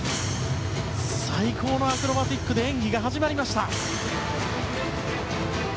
最高のアクロバティックで演技が始まりました。